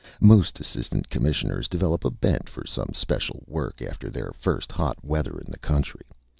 Most Assistant Commissioners develop a bent for some special work after their first hot weather in the country.